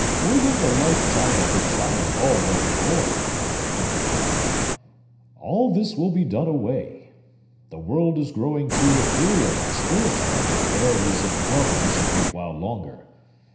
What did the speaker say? "Within the lifetime of the child already born," Clifford went on, "all this will be done away. The world is growing too ethereal and spiritual to bear these enormities a great while longer.